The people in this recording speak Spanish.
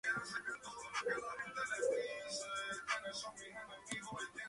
Pasa su tiempo libre viendo películas, jugando al fútbol y charlando con los amigos.